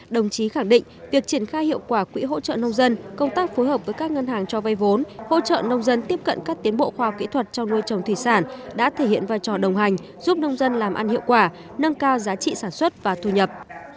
đồng chí khẳng định việc triển khai hiệu quả quỹ hỗ trợ nông dân công tác phối hợp với các ngân hàng cho vay vốn hỗ trợ nông dân tiếp cận các tiến bộ khoa học kỹ thuật trong nuôi trồng thủy sản đã thể hiện vai trò đồng hành giúp nông dân làm ăn hiệu quả nâng cao giá trị sản xuất và thu nhập